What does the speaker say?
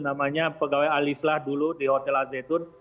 pegawai azeh tuhun namanya pegawai alislah dulu di hotel azeh tuhun